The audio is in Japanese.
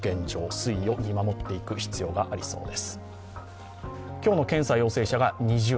推移を見守っていく必要がありそうです。